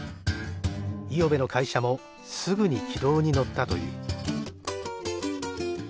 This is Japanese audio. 五百部の会社もすぐに軌道に乗ったという。